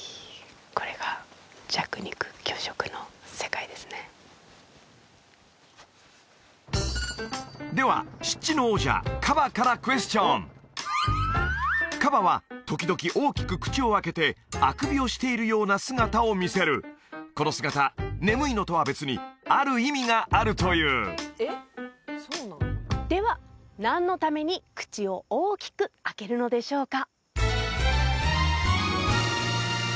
これがでは湿地の王者カバからクエスチョンカバは時々大きく口を開けてあくびをしているような姿を見せるこの姿眠いのとは別にある意味があるというでは何のために口を大きく開けるのでしょうか？